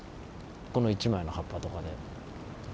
この一枚の葉っぱとかで。